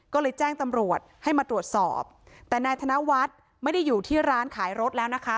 ก็เลยแจ้งตำรวจให้มาตรวจสอบแต่นายธนวัฒน์ไม่ได้อยู่ที่ร้านขายรถแล้วนะคะ